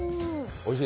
おいしい。